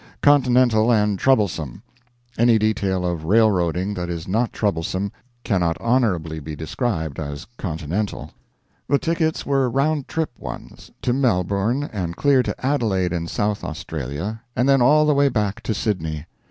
Continental and troublesome. Any detail of railroading that is not troublesome cannot honorably be described as continental. The tickets were round trip ones to Melbourne, and clear to Adelaide in South Australia, and then all the way back to Sydney.